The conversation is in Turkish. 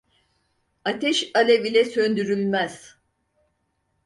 Ateş alev ile söndürülmez.